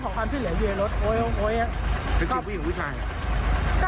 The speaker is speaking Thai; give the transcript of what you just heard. ของความผิดเหลืออยู่ในรถโอ๊ยโอ๊ยคือผู้หญิงผู้ชายอ่ะ